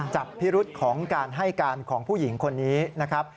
จับพิรุษของการให้การของผู้หญิงคนนี้นะครับ